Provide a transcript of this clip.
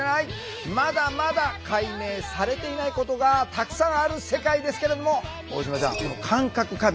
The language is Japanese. まだまだ解明されていないことがたくさんある世界ですけれども大島ちゃん